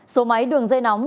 số máy đường dây nóng